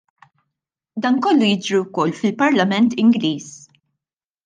Dan kollu jiġri wkoll fil-Parlament Ingliż.